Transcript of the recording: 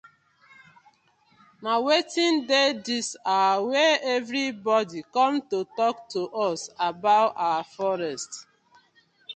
Na wetin dey dis our wey everi bodi com to tok to us abour our forest.